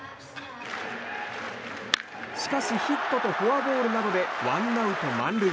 しかしヒットとフォアボールなどでワンアウト満塁。